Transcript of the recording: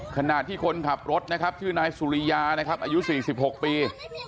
ขณะที่คนขับรถนะครับชื่อนายสุริยานะครับอายุ๔๖ปี